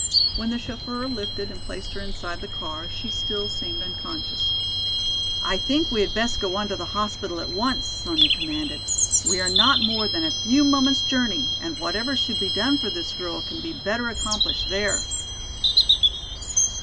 When the chauffeur lifted and placed her inside the car she still seemed unconscious. "I think we had best go on to the hospital at once," Sonya commanded. "We are not more than a few moments' journey and whatever should be done for this girl can be better accomplished there."